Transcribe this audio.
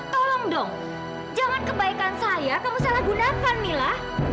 tolong dong jangan kebaikan saya kamu salah gunakan mila